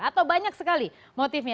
atau banyak sekali motifnya